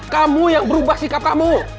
kamu yang berubah sikap kamu